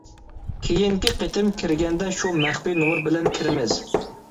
كېيىنكى قېتىم كىرگەندە شۇ مەخپىي نومۇر بىلەن كىرىمىز.